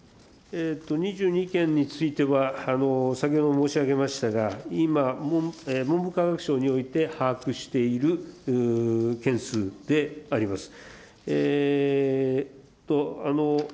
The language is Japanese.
２２件については、先ほども申し上げましたが、今、文部科学省において把握している件数であります。